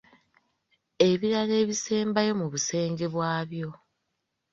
Ebirala ebisembayo mu busenge bwabyo.